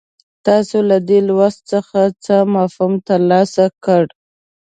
تاسو له دې لوست څخه څه مفهوم ترلاسه کړ.